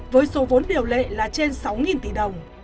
với số vốn điều lệ là trên sáu tỷ đồng